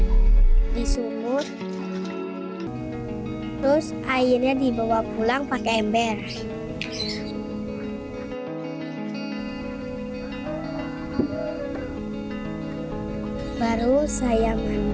hai di sumur terus airnya dibawa pulang pakai ember baru saya mandi